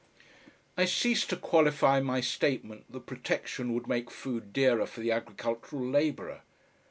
I ceased to qualify my statement that Protection would make food dearer for the agricultural labourer.